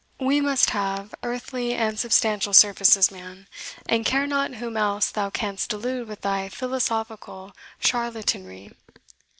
WE must have earthly and substantial services, man, and care not whom else thou canst delude with thy philosophical charlatanry."